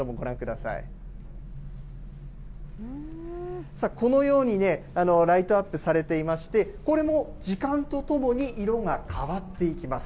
さあ、このようにライトアップされていまして、これも時間とともに色が変わっていきます。